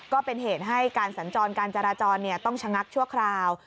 ก็เป็นเหตุให้การสัญจรการจราจรต้องชะงักชั่วคราว